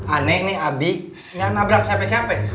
aneh nih abi gak nabrak siapa siapa